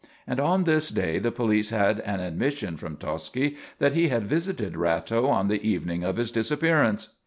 And on this day the police had an admission from Tosci that he had visited Ratto on the evening of his disappearance!